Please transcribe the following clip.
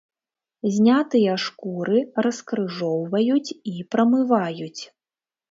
Знятыя шкуры раскрыжоўваюць і прамываюць.